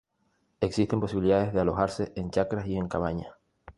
Existen posibilidades de alojarse en chacras y en cabañas.